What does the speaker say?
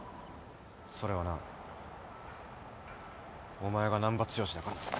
それはなお前が難破剛だからだ。